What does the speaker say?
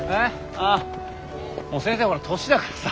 ああもう先生ほら年だからさ。